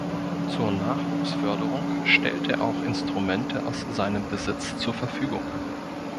Zur Nachwuchsförderung stellt er auch Instrumente aus seinem Besitz zur Verfügung.